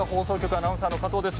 アナウンサーの加藤です。